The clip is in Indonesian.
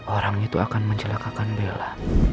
orang itu akan mencelakakan bella